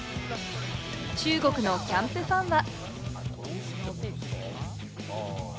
中国のキャンプファンは。